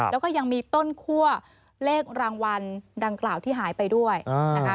แล้วก็ยังมีต้นคั่วเลขรางวัลดังกล่าวที่หายไปด้วยนะคะ